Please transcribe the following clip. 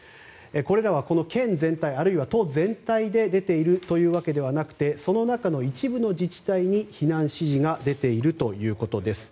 これらは県全体あるいは都全体で出ているわけではなくてその中の一部の自治体に避難指示が出ているということです。